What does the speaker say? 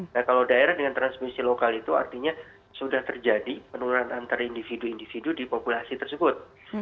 nah kalau daerah dengan transmisi lokal itu artinya sudah terjadi penurunan antar individu individu di populasi tersebut